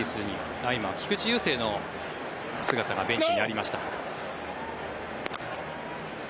今、菊池雄星の姿がベンチにありました。